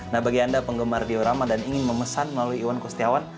nah bagi anda penggemar diorama dan ingin memesan melalui iwan kustiawan